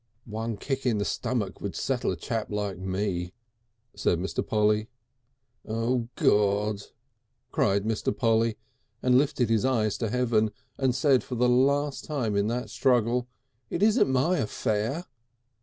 "One kick in the stummick would settle a chap like me," said Mr. Polly. "Oh, God!" cried Mr. Polly, and lifted his eyes to heaven, and said for the last time in that struggle, "It isn't my affair!"